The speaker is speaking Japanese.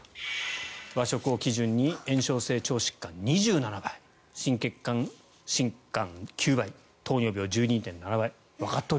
和食を基準に炎症性腸疾患、２７倍心血管疾患、９倍糖尿病、１２．７倍。